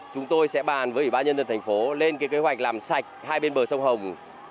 chúng tôi sẽ bàn với ủy ban nhân dân thành phố lên kế hoạch làm sạch hai bên bờ sông hồng